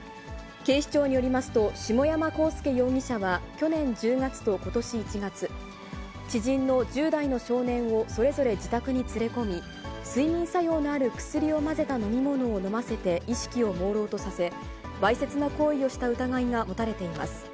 警視庁によりますと、下山晃介容疑者は去年１０月とことし１月、知人の１０代の少年をそれぞれ自宅に連れ込み、睡眠作用のある薬を混ぜた飲み物を飲ませて意識をもうろうとさせ、わいせつな行為をした疑いが持たれています。